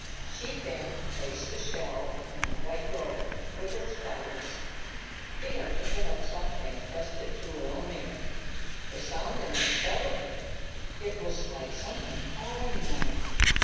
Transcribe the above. She bent and placed the shell in the white row, with its fellows. Thea took it up softly and pressed it to her own ear. The sound in it startled her; it was like something calling one.